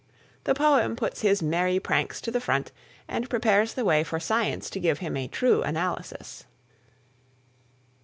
The poem puts his merry pranks to the front and prepares the way for science to give him a true analysis.